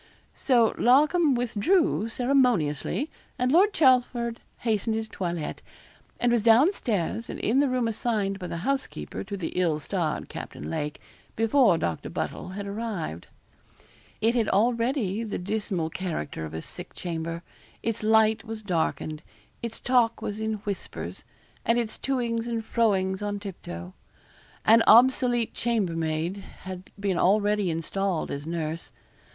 So Larcom withdrew ceremoniously, and Lord Chelford hastened his toilet, and was down stairs, and in the room assigned by the housekeeper to the ill starred Captain Lake, before Doctor Buddle had arrived. It had already the dismal character of a sick chamber. Its light was darkened; its talk was in whispers; and its to ings and fro ings on tip toe. An obsolete chambermaid had been already installed as nurse.